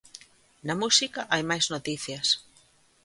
Na música hai máis noticias.